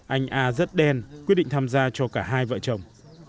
anh a rất đen quyết định tham gia cho cả hai vợ chồng